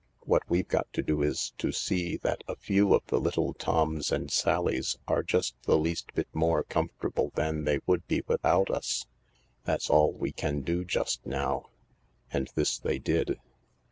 What we've got to do is to see that a few of the little Toms and Sallies are just the least bit more com fortable than they would be without us. That's all we can do just now. And this they did.